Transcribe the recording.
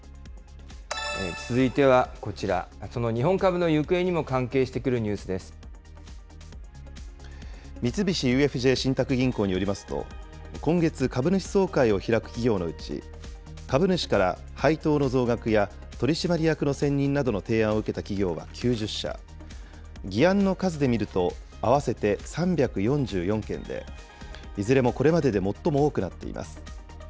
続いてはこちら、その日本株の行方にも関係してくるニュースです。三菱ＵＦＪ信託銀行によりますと、今月、株主総会を開く企業のうち、株主から配当の増額や取締役の選任などの提案を受けた企業は９０社、議案の数で見ると合わせて３４４件で、いずれもこれまでで最も多くなっています。